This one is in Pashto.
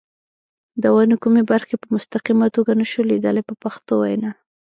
د ونو کومې برخې په مستقیمه توګه نشو لیدلای په پښتو وینا.